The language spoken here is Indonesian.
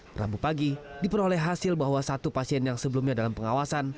perabu pagi diperoleh hasil bahwa satu pasien yang sebelumnya dalam pengawasan